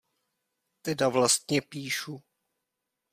Teda vlastně píšu.